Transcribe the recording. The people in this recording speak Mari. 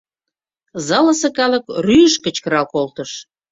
Залысе калык рӱж-ж кычкырал колтыш: